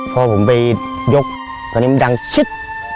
พอผมไปยกตอนนี้มันดังชิด